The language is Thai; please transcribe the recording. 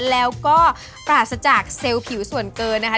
แล้วก็ปราศจากเซลล์ผิวส่วนเกินนะคะ